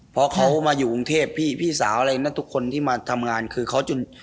พอเขามาอยู่กรุงเทพพี่พี่สาวอะไรนะทุกคนที่มาทำงานคือเขาจน